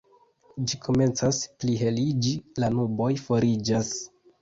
Ĝi komencas pliheliĝi, la nuboj foriĝas.